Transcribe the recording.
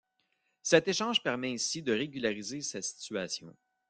Cet échange permet ainsi de régulariser sa situation.